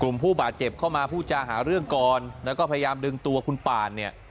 ผู้บาดเจ็บเข้ามาพูดจาหาเรื่องก่อนแล้วก็พยายามดึงตัวคุณป่านเนี่ย